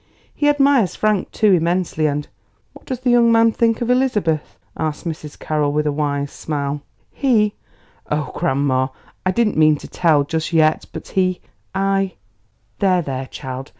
He admires Frank, too, immensely, and " "What does the young man think of Elizabeth?" asked Mrs. Carroll with a wise smile. "He oh, grandma; I didn't mean to tell just yet; but he I " "There, there, child!